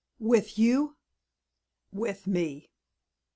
"With you?" "With me."